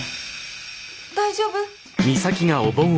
大丈夫？